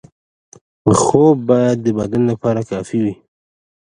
خواب باید د بدن لپاره کافي وي.